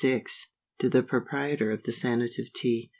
To the Proprietor of the SANATIVE TEA.